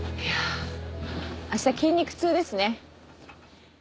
いやあした筋肉痛ですね。